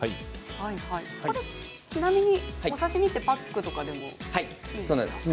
ちなみにお刺身ってパックとかでもいいんですか？